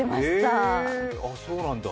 へえ、そうなんだ。